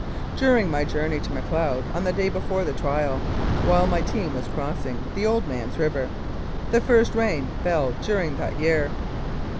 During my journey to Macleod on the day before the trial, while my team was crossing the Old Man's River, the first rain fell during that year.